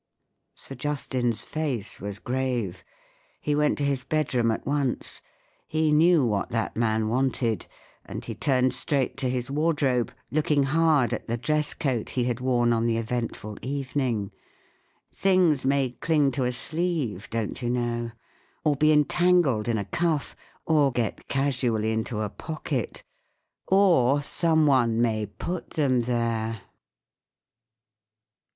Sir Justin's face was grave. He went to his bedroom at once. He knew what that man wanted; and he turned straight to his wardrobe, looking hard at the dress coat he had worn on the eventful evening. Things may cling to a sleeve, don't you know—or be entangled in a cuff—or get casually into a pocket! Or someone may put them there.